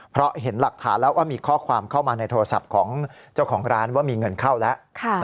เพราะเห็นหลักฐานแล้วว่ามีข้อความเข้ามาในโทรศัพท์ของเจ้าของร้านว่ามีเงินเข้าแล้ว